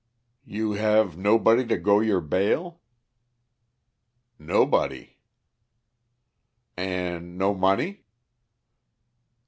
"You have nobody to go your bail?" "Nobody." "And no money?"